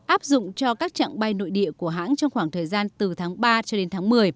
áp dụng cho các trạng bay nội địa của hãng trong khoảng thời gian từ tháng ba cho đến tháng một mươi